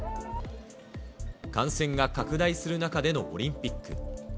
感染が拡大する中でのオリンピック。